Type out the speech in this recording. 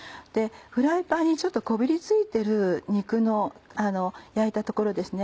フライパンにちょっとこびりついてる肉の焼いた所ですね